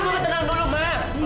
mama tenang dulu ma